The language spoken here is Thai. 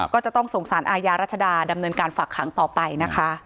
ก็จะต้องส่งสารอาญารัชดาดำเนินการฝากขังต่อไปนะคะ